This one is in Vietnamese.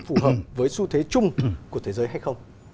phù hợp với xu thế chung của thế giới hay không